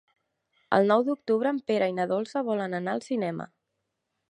El nou d'octubre en Pere i na Dolça volen anar al cinema.